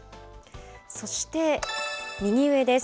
そして右上です。